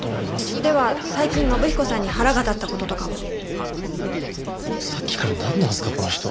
では最近信彦さんに腹が立った事とかは？さっきからなんなんすか？この人。